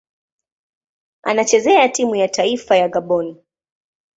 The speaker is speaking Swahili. Anachezea timu ya taifa ya Gabon.